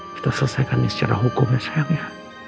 kita selesaikan ini secara hukum ya sayangnya